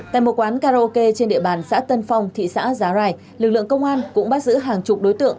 tại một quán karaoke trên địa bàn xã tân phong thị xã giá rai lực lượng công an cũng bắt giữ hàng chục đối tượng